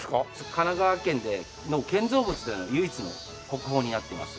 神奈川県で建造物での唯一の国宝になっています。